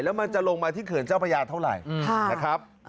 แล้วมันจะลงมาที่เขินเจ้าประหยาดเท่าไหร่